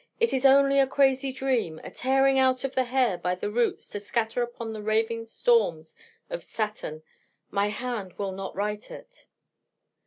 It is only a crazy dream! a tearing out of the hair by the roots to scatter upon the raving storms of Saturn! My hand will not write it!